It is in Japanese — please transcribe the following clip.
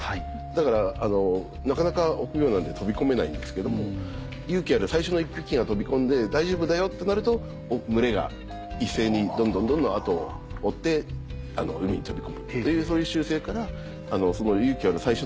だからなかなか臆病なんで飛び込めないんですけども勇気ある最初の１匹が飛び込んで大丈夫だよってなると群れが一斉にどんどんどんどん後を追って海に飛び込むというそういう習性から。